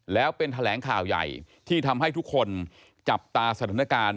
แล้วเป็นแถลงข่าวใหญ่ที่ทำให้ทุกคนจับตาสถานการณ์